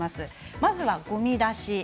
まずは、ごみ出し。